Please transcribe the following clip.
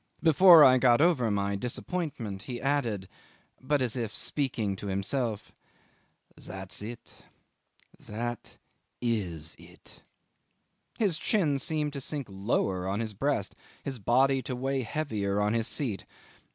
Before I got over my disappointment he added, but as if speaking to himself, "That's it. That is it." His chin seemed to sink lower on his breast, his body to weigh heavier on his seat.